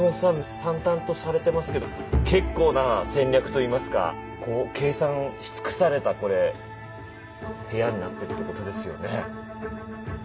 淡々とされてますけど結構な戦略といいますかこう計算し尽くされたこれ部屋になってるってことですね。